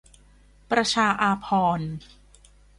ประชาอาภรณ์